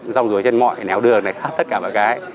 rong rối trên mọi nẻo đường này hết tất cả mọi cái